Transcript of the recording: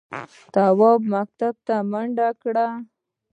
تواب مکتب ته منډه کړه.